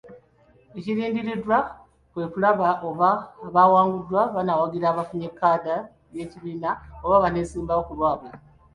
Ekirindiriddwa kwe kulaba oba abawanguddwa banaawagira abafunye kkaadi y'ekibiina oba baneesimbawo ku lwabwe.